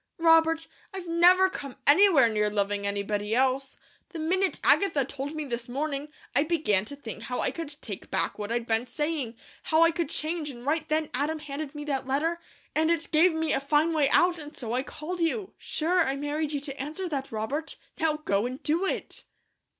Robert, I've never come anywhere near loving anybody else. The minute Agatha told me this morning, I began to think how I could take back what I'd been saying, how I could change, and right then Adam handed me that letter, and it gave me a fine way out, and so I called you. Sure, I married you to answer that, Robert; now go and do it."